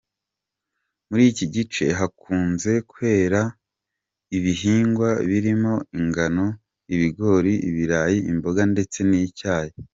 Muri iki gice hakunze kwera ibihingwa birimo ingano, ibigori, ibirayi, imboga ndetse n’icyayi.